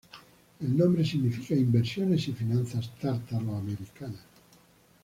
El nombre significa "Inversiones y Finanzas Tártaro-americanas".